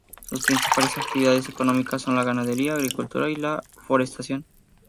Sus principales actividades económicas son la ganadería, agricultura y la forestación.